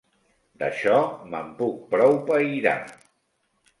D'això, me'n puc prou pairar.